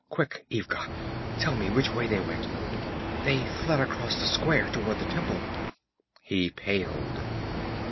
'Quick, Ivga, tell me which way they went!' 'They fled across the square toward the temple.' He paled.